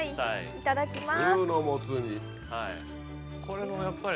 いただきます。